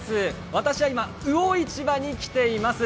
私は今、魚市場に来ています。